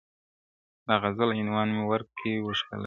د غزل عنوان مي ورکي و ښکلا ته,